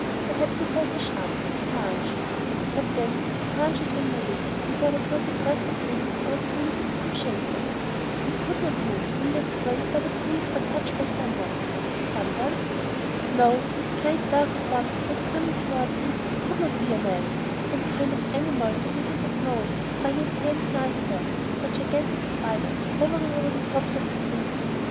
Perhaps it was a shrub, a branch. But then, the branches were moving and there was not a breath of wind or a breeze that could shake them. They could not move unless swayed by the breeze or touched by some one. Some one? No, this great, dark form that was coming towards me could not be a man some kind of animal that I did not know, or an immense night bird, a gigantic spider, hovering over the tops of the trees.